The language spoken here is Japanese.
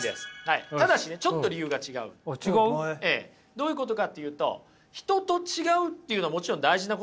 どういうことかっていうと人と違うっていうのはもちろん大事なことだと思いますよ。